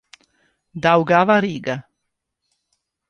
Daugava Riga